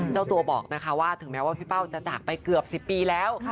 เจ้าตัวบอกนะคะว่าถึงแม้ว่าพี่เป้าจะจากไปเกือบ๑๐ปีแล้ว